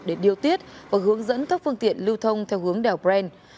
để điều tiết và hướng dẫn các phương tiện lưu thông theo hướng đèo brent